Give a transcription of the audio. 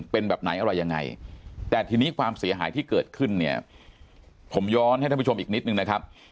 เป็นแบบไหนอะไรยังไงแต่ทีนี้ความเสียหายที่เกิดขึ้นเนี่ยผมย้อนให้ท่านผู้ชมอีกนิดนึงนะครับ